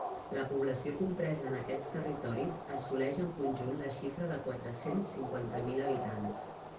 La població compresa en aquests territoris assoleix en conjunt la xifra de quatre-cents cinquanta mil habitants.